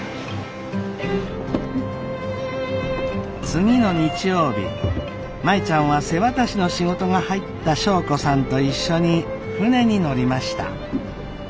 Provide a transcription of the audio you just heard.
次の日曜日舞ちゃんは瀬渡しの仕事が入った祥子さんと一緒に船に乗りました。